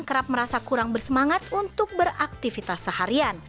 kerap merasa kurang bersemangat untuk beraktivitas seharian